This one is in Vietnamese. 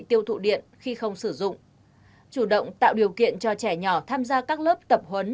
tiêu thụ điện khi không sử dụng chủ động tạo điều kiện cho trẻ nhỏ tham gia các lớp tập huấn